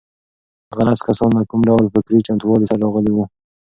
هغه لس کسان له کوم ډول فکري چمتووالي سره راغلي وو؟